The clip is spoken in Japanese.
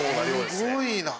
すごいな。